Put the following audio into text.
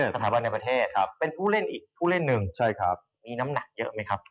สถาบันในประเทศเป็นผู้เล่นอีกผู้เล่นหนึ่งใช่ครับมีน้ำหนักเยอะไหมครับ